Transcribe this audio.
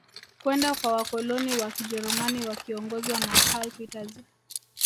Kwenda kwa wakoloni wa kijerumani wakiongozwa na karl peters